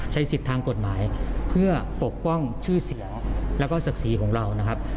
ใช้สิทธิ์ทางกฎหมายเพื่อปกป้องชื่อเสียงแล้วก็ศักดิ์ศรีของเรานะครับ